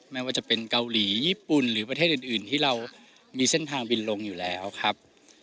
ไม่ว่าจะเป็นเกาหลีญี่ปุ่นหรือประเทศอื่นที่เรามีเส้นทางบินลงอยู่แล้วครับ